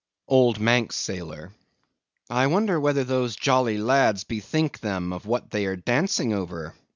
OLD MANX SAILOR. I wonder whether those jolly lads bethink them of what they are dancing over.